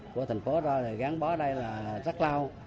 của thành phố đó gắn bó đây là rất lao